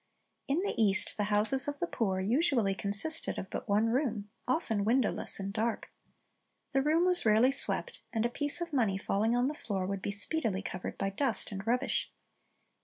In the East the houses of the poor usually consisted of but one room, often windowless and dark. The room was rarely swept, and a piece of money falling on the floor would be speedily covered by the dust and rubbish. In